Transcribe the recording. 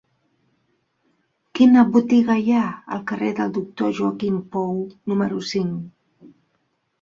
Quina botiga hi ha al carrer del Doctor Joaquim Pou número cinc?